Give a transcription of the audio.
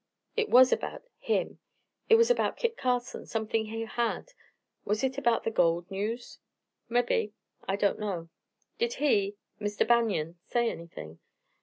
"It was about him? It was about Kit Carson, something he had was it about the gold news?" "Mebbe. I don't know." "Did he Mr. Banion say anything?"